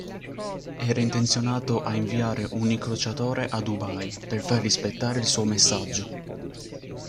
Era intenzionato a inviare un incrociatore a Dubai per far rispettare il suo messaggio.